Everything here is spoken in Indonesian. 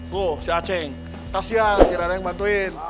tuh si aceng kasih ya kira kira neng bantuin